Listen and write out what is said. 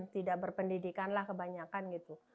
tidak berpendidikan lah kebanyakan gitu